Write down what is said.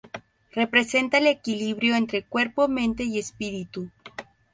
Representa el equilibrio entre cuerpo, mente y espíritu.